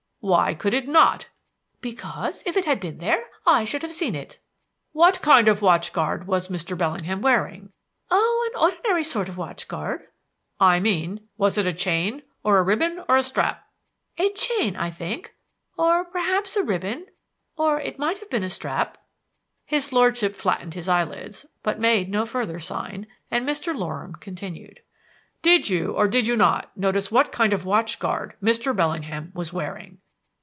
"Why could it not?" "Because if it had been there I should have seen it." "What kind of watch guard was Mr. Bellingham wearing?" "Oh, an ordinary sort of watch guard." "I mean was it a chain or a ribbon or a strap?" "A chain, I think or perhaps a ribbon or it might have been a strap." His lordship flattened his eyelids, but made no further sign and Mr. Loram continued: "Did you or did you not notice what kind of watch guard Mr. Bellingham was wearing?"